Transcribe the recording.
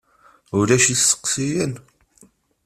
Ulac isteqsiyen?